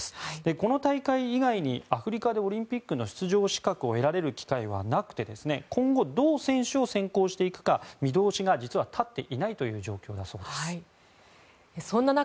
この大会以外にアフリカでオリンピックの出場資格を得られる機会はなくて今後、どう選手を選考していくか見通しが実は立っていない状況だそうです。